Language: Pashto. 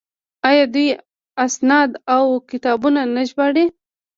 آیا دوی اسناد او کتابونه نه ژباړي؟